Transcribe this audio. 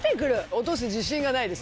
落とす自信がないです